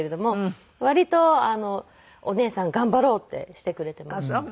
割とお姉さん頑張ろうってしてくれています。